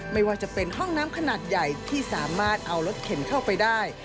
ไม่ว่าจะเป็นห้องน้ำขนาดใหญ่ที่สามารถเอารถเข็นเข้าไปได้